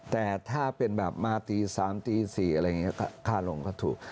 แต่ถ้าเป็นแบบมาตี๓ตี๔อะไรอย่างนี้ค่าลงก็ถูก